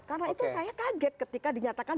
karena itu saya kaget ketika dinyatakan